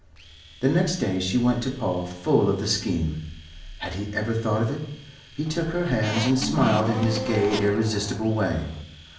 The next day she went to Paul full of the scheme. Had he ever thought of it? He took her hands and smiled in his gay, irresistible way.